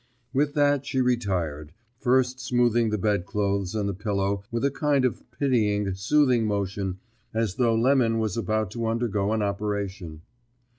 With that she retired, first smoothing the bedclothes and the pillow with a kind of pitying, soothing motion as though Lemon was about to undergo an operation.